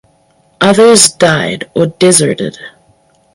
Others died or deserted.